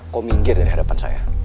kom minggir dari hadapan saya